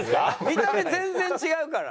見た目全然違うから！